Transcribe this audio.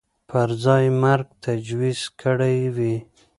پر ځای مرګ تجویز کړی وي